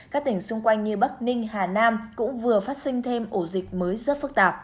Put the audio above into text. các tỉnh xung quanh như bắc ninh hà nam cũng vừa phát sinh thêm ổ dịch mới rất phức tạp